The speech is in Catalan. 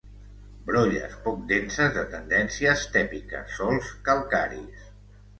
Brolles poc denses de tendència estèpica, sòls calcaris.